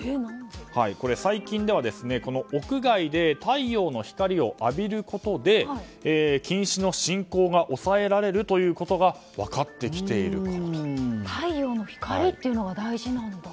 最近では屋外で太陽の光を浴びることで近視の進行が抑えられるということが太陽の光っていうのが大事なんだ。